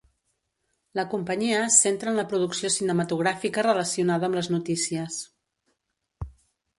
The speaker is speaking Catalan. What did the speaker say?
La companyia es centra en la producció cinematogràfica relacionada amb les notícies.